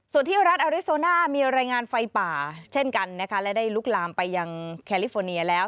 ส่วนที่รัฐอริโซน่ามีรายงานไฟป่าเช่นกันนะคะและได้ลุกลามไปยังแคลิฟอร์เนียแล้ว